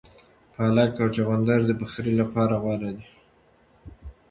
پالک او چغندر د پخلي لپاره غوره دي.